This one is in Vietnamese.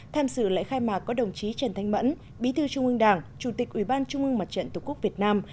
tham dự lễ khai mạc có đồng chí trần thanh mẫn bí thư trung ương đảng chủ tịch ủy ban trung ương mặt trận tổ quốc việt nam